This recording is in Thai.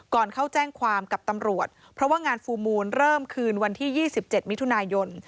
ก่อนเข้าแจ้งความกับตำรวจเพราะว่างานฟูลมูลเริ่มคืนวันที่๒๗มิถุนายน